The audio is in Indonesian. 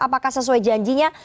apakah sesuai janjinya